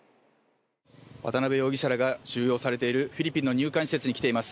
渡辺容疑者らが収容されているフィリピンの収容所に来ています。